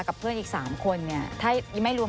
กับเพื่อนอีก๓คนเนี่ยถ้าไม่รวม